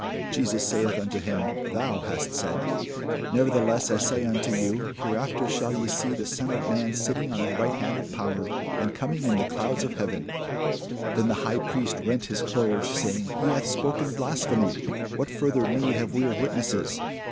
Jesus saith unto him, Thou hast said: nevertheless I say unto you, Hereafter shall ye see the Son of man sitting on the right hand of power, and coming in the clouds of heaven. Then the high priest rent his clothes, saying, He hath spoken blasphemy; what further need have we of witnesses?